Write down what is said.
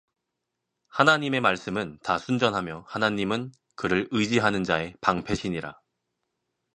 하나님의 말씀은 다 순전하며 하나님은 그를 의지하는 자의 방패시니라